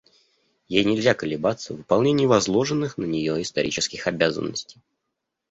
Ей нельзя колебаться в выполнении возложенных на нее исторических обязанностей.